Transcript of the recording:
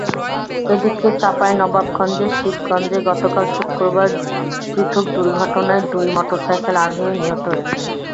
এদিকে চাঁপাইনবাবগঞ্জের শিবগঞ্জে গতকাল শুক্রবার পৃথক দুর্ঘটনায় দুই মোটরসাইকেল আরোহী নিহত হয়েছেন।